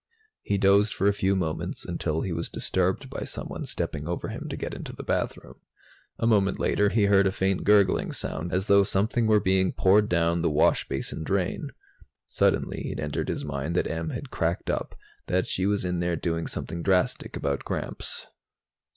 He dozed for a few moments, until he was disturbed by someone stepping over him to get into the bathroom. A moment later, he heard a faint gurgling sound, as though something were being poured down the washbasin drain. Suddenly, it entered his mind that Em had cracked up, that she was in there doing something drastic about Gramps.